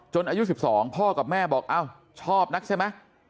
จนอายุ๑๒พ่อกับแม่บอกชอบนะใช่ไหม